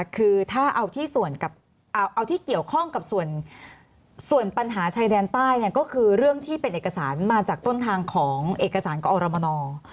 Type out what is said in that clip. คือถ้าเอาที่เกี่ยวข้องกับส่วนปัญหาชายแดนใต้ก็คือเรื่องที่เป็นเอกสารมาจากต้นทางของเอกสารกอรมน